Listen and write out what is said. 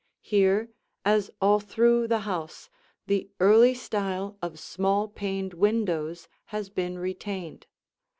Here, as all through the house, the early style of small paned windows has been retained.